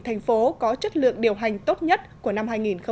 thành phố có chất lượng điều hành tốt nhất của năm hai nghìn một mươi bảy